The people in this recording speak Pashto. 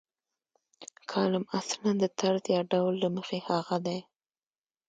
کالم اصلاً د طرز یا ډول له مخې هغه دی.